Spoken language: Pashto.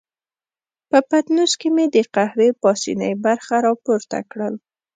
په پتنوس کې مې د قهوې پاسنۍ برخه را پورته کړل.